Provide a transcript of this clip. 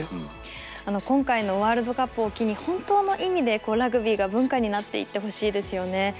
今回のワールドカップを機に本当の意味でラグビーが文化になっていってほしいですよね。